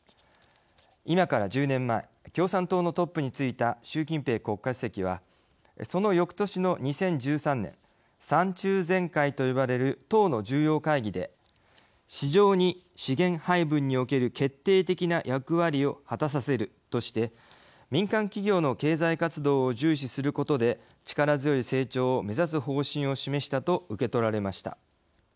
今から１０年前共産党のトップに就いた習近平国家主席はそのよくとしの２０１３年３中全会と呼ばれる党の重要会議で市場に資源配分における決定的な役割を果たさせるとして民間企業の経済活動を重視することで力強い成長を目指す方針を示したと受け取られました。